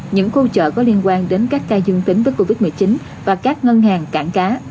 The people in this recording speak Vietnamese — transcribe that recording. những khu chợ có liên quan đến các ca dương tính với covid một mươi chín và các ngân hàng cảng cá